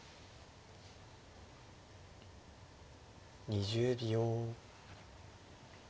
２０秒。